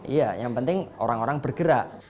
iya yang penting orang orang bergerak